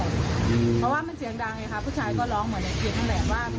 เพราะว่ามันเสียงดังเนี้ยค่ะผู้ชายก็ร้องเหมือนในทีทั้งแหลกว่า